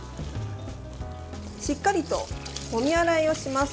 しっかりと、もみ洗いをします。